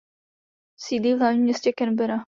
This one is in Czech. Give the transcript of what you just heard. Sídlí v hlavním městě Canberra.